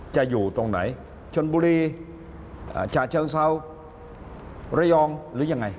อยู่ตรงไหนชนบุรีฉาเชิงเซาระยองหรือยังไง